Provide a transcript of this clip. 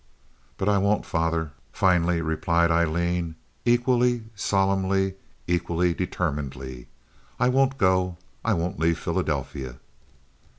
"But I won't, father," finally replied Aileen, equally solemnly, equally determinedly. "I won't go! I won't leave Philadelphia."